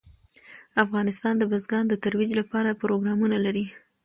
افغانستان د بزګان د ترویج لپاره پروګرامونه لري.